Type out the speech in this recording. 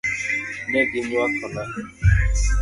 Ne gi nywakona .